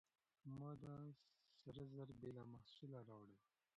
ما دا سره زر بې له محصوله راوړل.